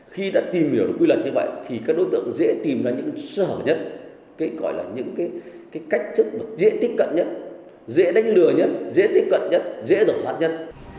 khi đã tìm hiểu được quy luật như vậy thì các đối tượng dễ tìm ra những sở nhất cái gọi là những cái cách thức dễ tiếp cận nhất dễ đánh lừa nhất dễ tiếp cận nhất dễ tẩu thoát nhất